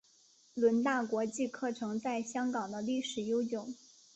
伦大国际课程在香港的历史悠久。